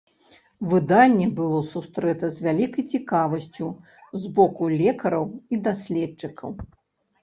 Выданне было сустрэта з вялікай цікавасцю з боку лекараў і даследчыкаў.